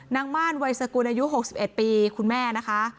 ม่านวัยสกุลอายุ๖๑ปีคุณแม่นะคะ